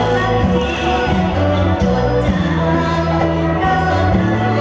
สวัสดีครับ